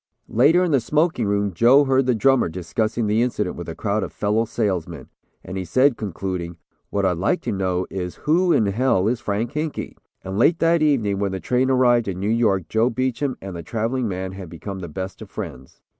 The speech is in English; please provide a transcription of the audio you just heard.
Later, in the smoking room, Joe heard the drummer discussing the incident with a crowd of fellow salesmen, and he said, concluding, "What I'd like to know is who in hell is Frank Hinkey?" And late that evening when the train arrived in New York Joe Beacham and the traveling man had become the best of friends.